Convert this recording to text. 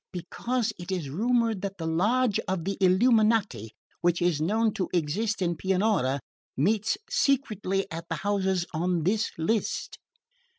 "Because it is rumoured that the lodge of the Illuminati, which is known to exist in Pianura, meets secretly at the houses on this list."